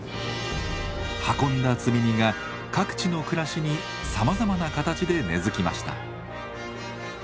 運んだ積み荷が各地の暮らしにさまざまな形で根づきました。